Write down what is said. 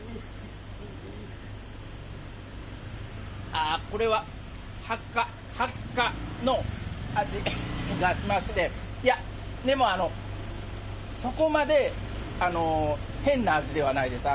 あー、これはハッカ、ハッカの味がしまして、いや、でも、そこまで変な味ではないです。